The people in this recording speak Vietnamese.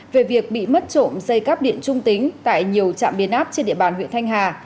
về việc bị mất trộm dây cắp điện trung tính tại nhiều trạm biến áp trên địa bàn huyện thanh hà